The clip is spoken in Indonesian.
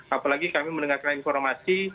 apalagi kami mendengarkan informasi